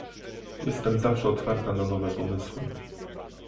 Jestem zawsze otwarta na nowe pomysły